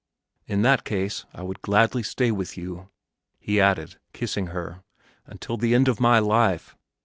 In that case I would gladly stay with you," he added, kissing her, "until the end of my life!